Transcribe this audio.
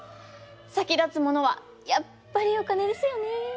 先立つものはやっぱりお金ですよね。